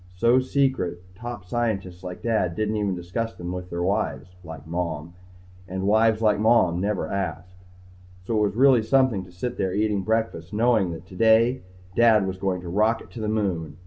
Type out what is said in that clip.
So secret top scientists like Dad didn't even discuss them with wives like Mom. And wives like Mom never asked. So it was really something to sit there eating breakfast knowing that, today, Dad was going to rocket to the Moon.